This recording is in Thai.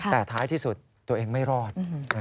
แต่ท้ายที่สุดตัวเองไม่รอด